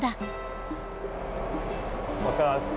お疲れさまです。